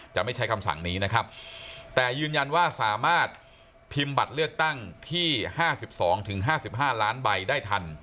จะไม่ใช้คำสั่งนี้นะครับแต่ยืนยันว่าสามารถพิมพ์บัตรเลือกตั้งที่๕๒๕๕ล้านใบได้ทัน